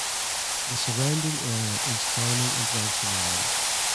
The surrounding area is farming and ranching land.